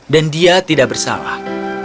dan dia tidak bersalah